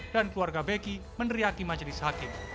dan keluarga beki meneriaki majelis hakim